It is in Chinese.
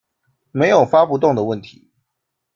没有发不动的问题